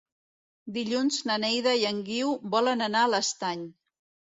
Dilluns na Neida i en Guiu volen anar a l'Estany.